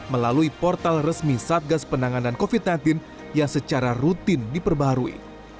melalui portal resmi satgas penanganan covid sembilan belas yang secara rutin diperbarui